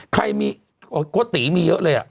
ใครมีโกติมีเยอะเลย